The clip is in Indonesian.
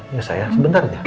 ya saya sebentar ya